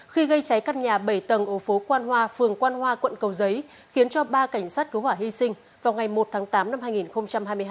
khi gây cháy các nhà bảy tầng ở phố quan hoa phường quan hoa quận cầu giấy khiến cho ba cảnh sát cứu hỏa hy sinh vào ngày một tháng tám năm hai nghìn hai mươi hai